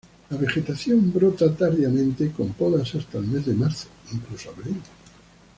La vegetación brota tardíamente, con podas hasta el mes de marzo incluso abril.